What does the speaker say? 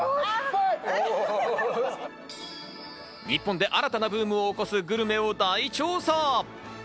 日本で新たなブームを起こすグルメを大調査！